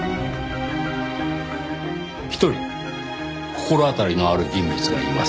１人心当たりのある人物がいます。